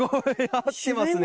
合ってますね。